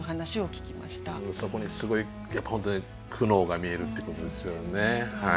そこにすごい本当に苦悩が見えるということですよね。